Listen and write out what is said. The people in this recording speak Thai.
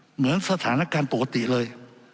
เหมือนสถานการณ์ปกติเลย